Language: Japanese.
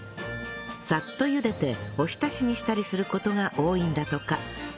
サッと茹でてお浸しにしたりする事が多いんだとか